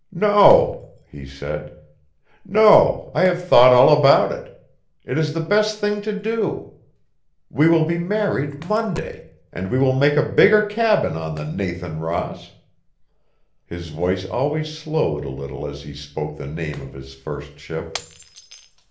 "No," he said. "No, I have thought all about it. It is the best thing to do. We will be married Monday; and we will make a bigger cabin on the Nathan Ross...." His voice always slowed a little as he spoke the name of his first ship.